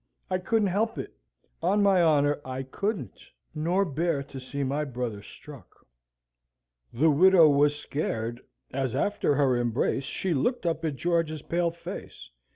I couldn't help it; on my honour I couldn't; nor bear to see my brother struck." The widow was scared, as after her embrace she looked up at George's pale face.